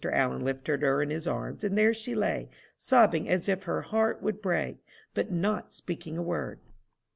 Allen lifted her in his arms, and there she lay, sobbing as if her heart would break, but not speaking a word.